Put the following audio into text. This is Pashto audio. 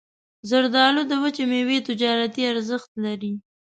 زردالو د وچې میوې تجارتي ارزښت لري.